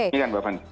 ini kan mbak fanny